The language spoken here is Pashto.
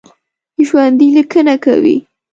ژوندي لیکنه کوي